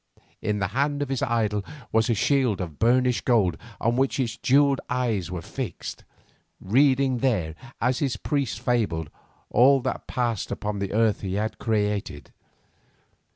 In the hand of this idol was a shield of burnished gold on which its jewelled eyes were fixed, reading there, as his priests fabled, all that passed upon the earth he had created.